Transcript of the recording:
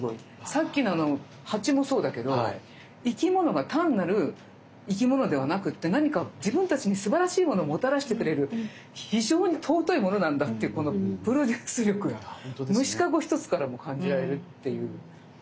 さっきのあの鉢もそうだけど生き物が単なる生き物ではなくて何か自分たちにすばらしいものをもたらしてくれる非常に尊いものなんだっていうこのプロデュース力が虫かご一つからも感じられるっていう。